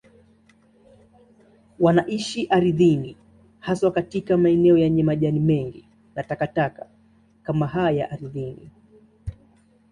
Wanaishi ardhini, haswa katika maeneo yenye majani mengi na takataka kama haya ardhini.